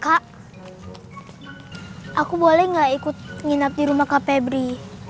kak aku boleh gak ikut nginap di rumah kak febri